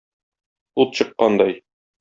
Ут чыккандай.